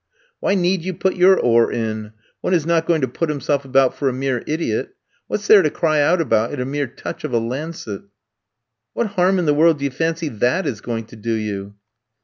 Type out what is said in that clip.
"Why need you put your oar in? One is not going to put himself about for a mere idiot. What's there to cry out about at a mere touch of a lancet?" "What harm in the world do you fancy that is going to do you?"